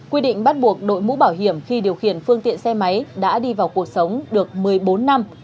quy định bắt buộc đội mũ bảo hiểm khi điều khiển phương tiện xe máy đã đi vào cuộc sống được một mươi bốn năm